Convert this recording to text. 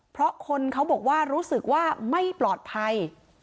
เพราะคนเขาบอกว่ารู้สึกว่าไม่ปลอดภัย